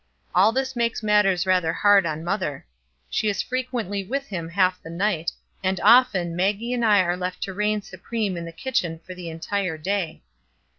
All this makes matters rather hard on mother. She is frequently with him half the night; and often Maggie and I are left to reign supreme in the kitchen for the entire day.